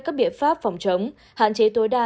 các biện pháp phòng chống hạn chế tối đa